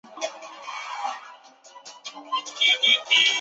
他长期担任鹿特丹国际电影节制作人以及柏林国际电影节的新闻官。